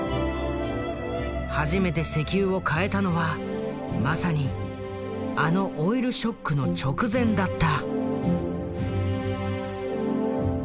初めて石油を買えたのはまさにあのオイルショックの直前だった。